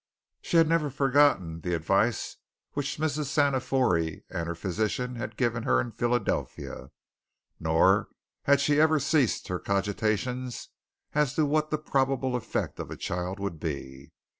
She had never forgotten the advice which Mrs. Sanifore and her physician had given her in Philadelphia, nor had she ever ceased her cogitations as to what the probable effect of a child would be.